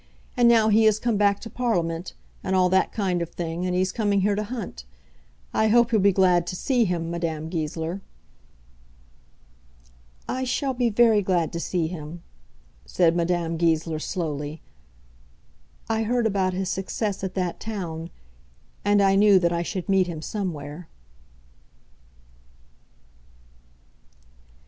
And now he has come back to Parliament, and all that kind of thing, and he's coming here to hunt. I hope you'll be glad to see him, Madame Goesler." "I shall be very glad to see him," said Madame Goesler, slowly; "I heard about his success at that town, and I knew that I should meet him somewhere."